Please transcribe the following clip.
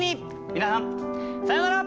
皆さんさようなら！